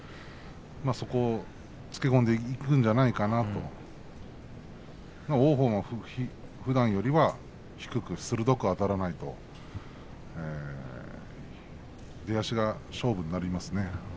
そこをつけ込んでいくんじゃないかなと王鵬もふだんよりは低く鋭くあたらないと出足が勝負になりますね。